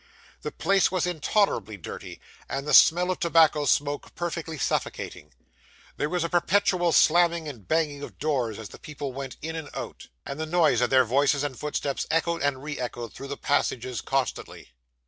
The place was intolerably dirty, and the smell of tobacco smoke perfectly suffocating. There was a perpetual slamming and banging of doors as the people went in and out; and the noise of their voices and footsteps echoed and re echoed through the passages constantly.